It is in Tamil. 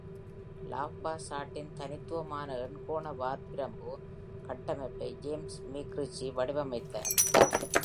லாவ் பா சாட்டின் தனித்துவமான, எண்கோண, வார்ப்பிரும்பு கட்டமைப்பை ஜேம்ஸ் மேக்ரிச்சி வடிவமைத்தார்.